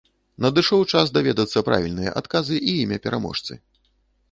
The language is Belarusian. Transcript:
Надышоў час даведацца правільныя адказы і імя пераможцы.